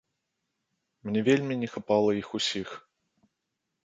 Мне вельмі не хапала іх усіх.